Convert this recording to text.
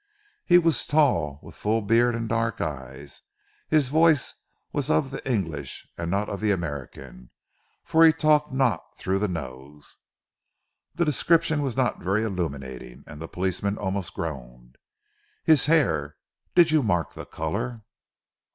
"He was tall, with full beard and dark eyes. His voice was of ze English an' not of ze American, for he talked not through the nose." The description was not very illuminating, and the policeman almost groaned. "His hair? did you mark the colour?"